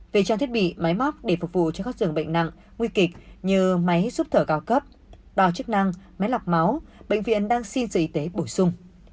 về trang thiết bị máy móc để phục vụ cho các giường bệnh nặng nguy kịch như máy giúp thở cao cấp đo chức năng máy lọc máu bệnh viện đang xin sự y tế bổ sung